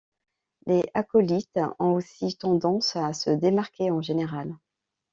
Les acolytes ont aussi tendance à se démarquer, en général.